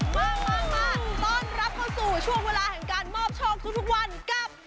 มามาต้อนรับเข้าสู่ช่วงเวลาแห่งการมอบโชคทุกวันกับ